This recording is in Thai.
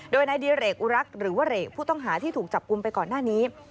โดยนายดิเรกอุรักษ์หรือว่าเหรกผู้ต้องหาที่ถูกจับกลุ่มไปก่อนหน้านี้